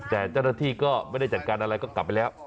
แต่เจ้าหน้าที่ก็ไม่ได้จัดการอะไรก็กลับไปแล้ว